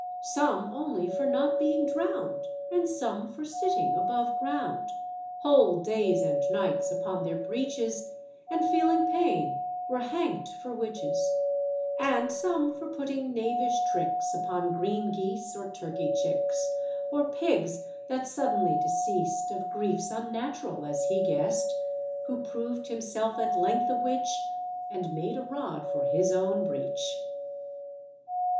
Some only for not being drown'd, And some for sitting above ground Whole days and nights upon their breeches, And feeling pain, were hang'd for witches; And some for putting knavish tricks Upon green geese or turkey chicks; Or pigs that suddenly deceased Of griefs unnatural, as he guessed; Who proved himself at length a witch, And made a rod for his own breech."